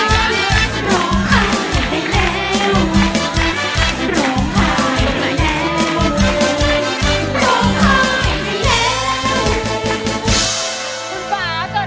คุณบ๋าเกิดอะไรขึ้นคะ